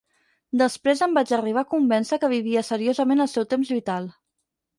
Després em vaig arribar a convèncer que vivia seriosament el seu temps vital.